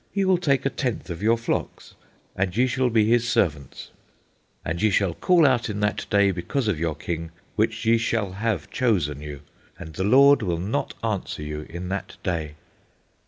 He will take a tenth of your flocks; and ye shall be his servants. And ye shall call out in that day because of your king which ye shall have chosen you; and the Lord will not answer you in that day.